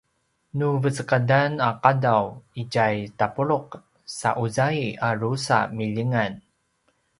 nu vecekadan a qadaw itja tapuluq sa uzai a drusa milingan